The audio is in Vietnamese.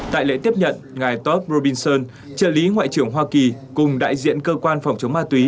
tại lễ tiếp nhận ngài top robinson trợ lý ngoại trưởng hoa kỳ cùng đại diện cơ quan phòng chống ma túy